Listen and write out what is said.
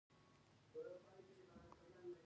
موټروان ته مې د روغتون پته ور وښودل.